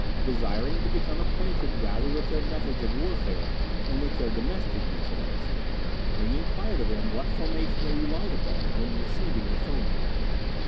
Desiring to become acquainted rather with their methods of warfare than with their domestic details, Ling inquired of him what formation they relied upon when receiving the foemen.